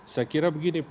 saya kira begini